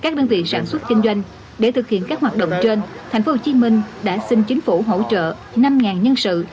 trang trình doanh để thực hiện các hoạt động trên tp hcm đã xin chính phủ hỗ trợ năm nhân sự